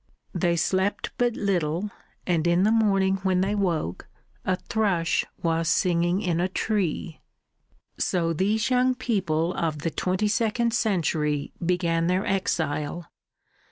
They slept but little, and in the morning when they woke a thrush was singing in a tree. So these young people of the twenty second century began their exile.